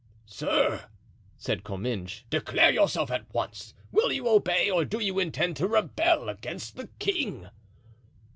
"Sir," said Comminges, "declare yourself at once; will you obey or do you intend to rebel against the king?"